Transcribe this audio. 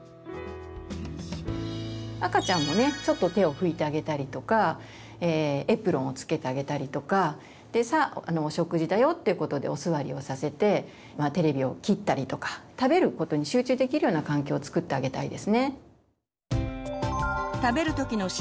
赤ちゃんもねちょっと手を拭いてあげたりとかエプロンをつけてあげたりとか「さあお食事だよ」っていうことでお座りをさせてテレビを切ったりとか食べることに集中できるような環境をつくってあげたいですね。